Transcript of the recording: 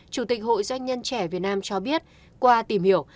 chủ tịch hội doanh nhân trẻ việt nam cho biết qua tìm hiểu